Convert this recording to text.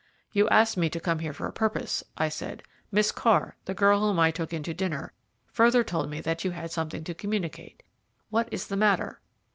"You asked me to come here for a purpose," I said. "Miss Carr, the girl whom I took in to dinner, further told me that you had something to communicate. What is the matter?"